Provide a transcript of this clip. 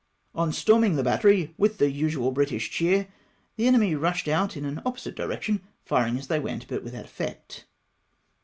On storming the battery, with the usual British cheer, the enemy rushed out in an opposite du'ection, firing as they went, but without effect.